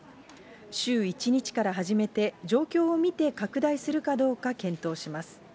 週１日から始めて、状況を見て拡大するかどうか検討します。